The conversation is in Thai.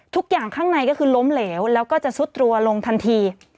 ทุกอย่างข้างในก็คือล้มเหลวแล้วก็จะซุดตัวลงทันที